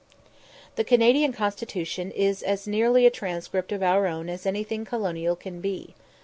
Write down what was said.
The Canadian Constitution is as nearly a transcript of our own as anything colonial can be.